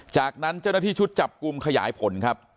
จากนั้นเจ้าหน้าที่ชุดจับกลุ่มขยายผลครับ